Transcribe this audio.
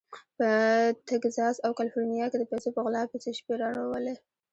په تګزاس او کالیفورنیا کې د پیسو په غلا پسې شپې روڼولې.